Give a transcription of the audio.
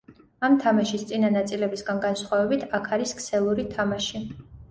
ამ თამაშის წინა ნაწილებისგან განსხვავებით აქ არის ქსელური თამაში.